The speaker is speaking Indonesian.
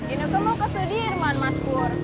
indra kau mau ke studi irman mas pur